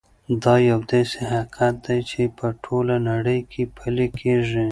دا یو داسې حقیقت دی چې په ټوله نړۍ کې پلی کېږي.